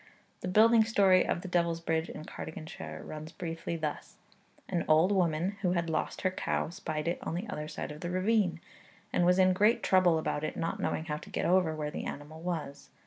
The building story of the Devil's Bridge in Cardiganshire runs briefly thus: An old woman who had lost her cow spied it on the other side of the ravine, and was in great trouble about it, not knowing how to get over where the animal was.